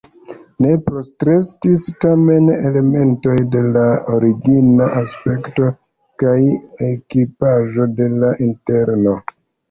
Ne postrestis tamen elementoj de la origina aspekto kaj ekipaĵo de la interno.